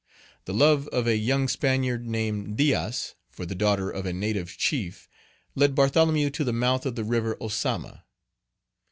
The love of a young Spaniard, named Diaz, for the daughter of a native chief, led Bartholomew to the mouth of the river Ozama.